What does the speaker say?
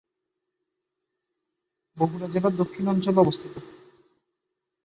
বগুড়া জেলার দক্ষিণ অঞ্চলে অবস্থিত।